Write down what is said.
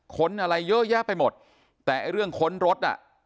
ค้นอะไรเยอะแยะไปหมดแต่ไอ้เรื่องค้นรถอ่ะ